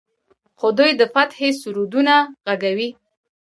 خو دوی د فتحې سرودونه غږوي.